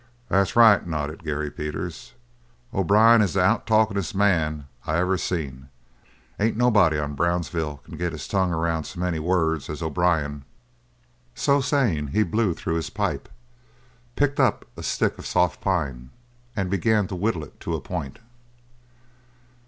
"That's right," nodded Gary Peters. "O'Brien is the out talkingest man I ever see. Ain't nobody on Brownsville can get his tongue around so many words as O'Brien." So saying, he blew through his pipe, picked up a stick of soft pine, and began to whittle it to a point.